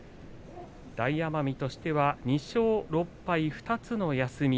大奄美としては２勝６敗２つの休み。